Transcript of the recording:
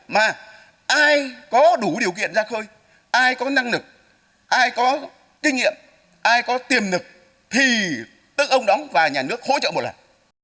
mà ai có đủ điều kiện ra khơi ai có năng lực ai có kinh nghiệm ai có tiềm lực thì tức ông đóng và nhà nước hỗ trợ một lần